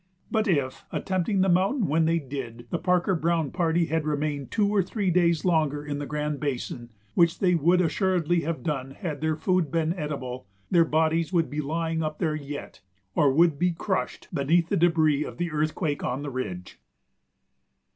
But if, attempting the mountain when they did, the Parker Browne party had remained two or three days longer in the Grand Basin, which they would assuredly have done had their food been eatable, their bodies would be lying up there yet or would be crushed beneath the débris of the earthquake on the ridge.